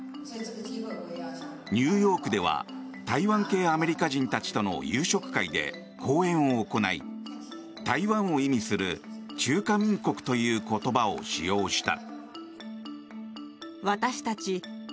ニューヨークでは台湾系アメリカ人たちとの夕食会で講演を行い台湾を意味する中華民国という言葉を使用した。